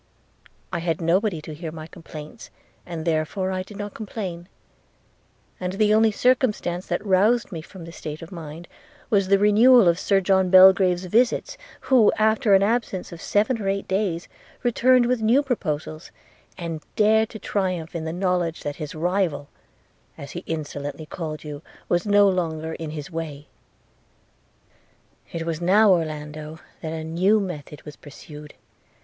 I had nobody to hear my complaints, and therefore I did not complain; and the only circumstance that roused me from this state of mind, was the renewal of Sir John Belgrave's visits, who, after an absence of seven or eight days, returned with new proposals, and dared to triumph in the knowledge that his rival, as he insolently called you, was no longer in his way. 'It was now, Orlando, that a new method was pursued.